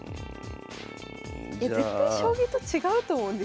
絶対将棋と違うと思うんですよ